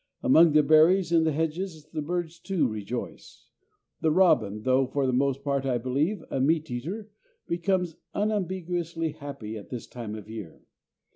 Among the berries in the hedges the birds, too, rejoice. The robin, though for the most part, I believe, a meat eater, becomes unambiguously happy at this time of year.